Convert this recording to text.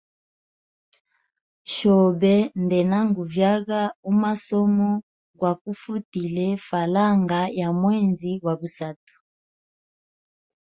Shobe ndena nguvyaga umasomo gwa kufutile falanga ya mwezi gwa busatu.